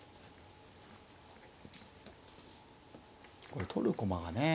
これ取る駒がね